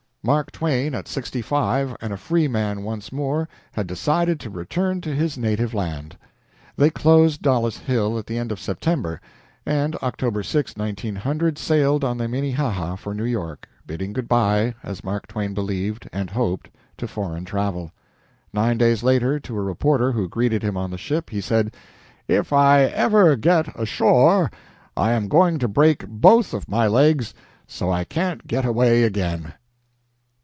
Mark Twain at sixty five and a free man once more had decided to return to his native land. They closed Dollis Hill at the end of September, and October 6, 1900, sailed on the Minnehaha for New York, bidding good by, as Mark Twain believed, and hoped, to foreign travel. Nine days later, to a reporter who greeted him on the ship, he said: "If I ever get ashore I am going to break both of my legs so I can't get away again."